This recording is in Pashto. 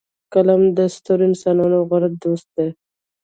قلم د سترو انسانانو غوره دوست دی